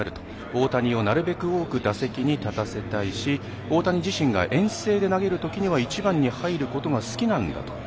大谷を多く打席に立たせたいし、大谷自身が遠征で投げるときは１番で入ることが好きなんだと。